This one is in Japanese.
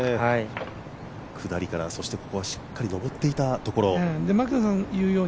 下りから、そしてここはしっかり上っていたところ。